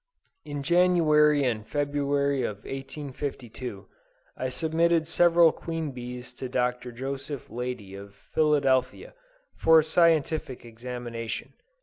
In January and February of 1852, I submitted several Queen Bees to Dr. Joseph Leidy of Philadelphia, for a scientific examination.